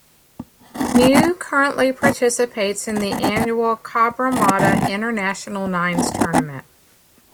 Niue currently participates in the annual Cabramatta International Nines tournament.